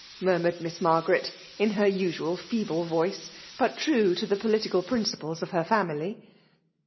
murmured Miss fiiar garet> in her usual feeble voice> but true to the political principles of her family.